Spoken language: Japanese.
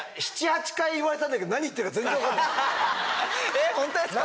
えっホントですか？